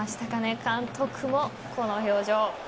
監督もこの表情。